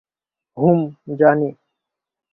হুম, জানি।